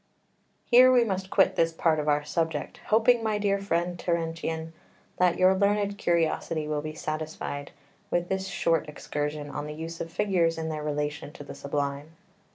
[Footnote 1: De Legg. vii. 801, B.] 2 Here we must quit this part of our subject, hoping, my dear friend Terentian, that your learned curiosity will be satisfied with this short excursion on the use of figures in their relation to the Sublime.